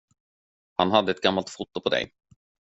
Han hade ett gammalt foto på dig.